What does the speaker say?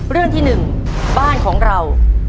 เรื่องที่หนึ่งบ้านของเรา